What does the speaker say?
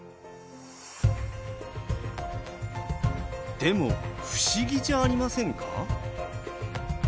でも不思議じゃありませんか？